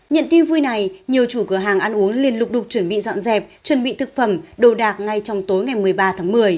nhận tin vui này nhiều chủ cửa hàng ăn uống liên tục được chuẩn bị dọn dẹp chuẩn bị thực phẩm đồ đạc ngay trong tối ngày một mươi ba tháng một mươi